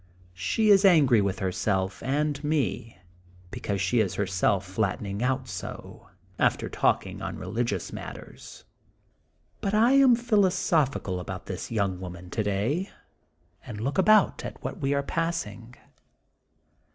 She is angry with herself and me, because she is herself flattening out so, after talking on religious matters. But I am philo sophical about this young woman, today, and look about at what we are passing.